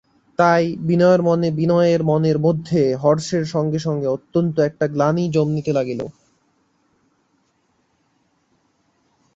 তাই বিনয়ের মনের মধ্যে হর্ষের সঙ্গে সঙ্গে অত্যন্ত একটা গ্লানি জন্মিতে লাগিল।